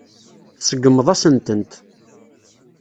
Tseggmeḍ-asen-tent.